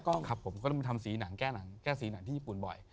ตรงนี้คุณคุณทำสีหนังที่ญิปุ่นบ่อย